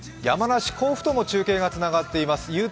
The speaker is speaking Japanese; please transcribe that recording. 山梨・甲府とも中継がつながっています。